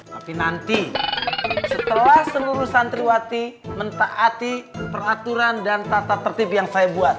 tapi nanti setelah seluruh santriwati mentaati peraturan dan tata tertib yang saya buat